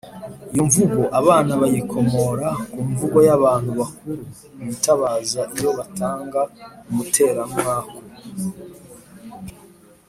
lyo mvugo, abana bayikomora ku mvugo y’abantu bakuru bitabaza iyo batanga umuteramwaku